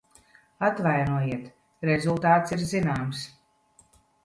Atvainojiet, rezultāts ir zināms.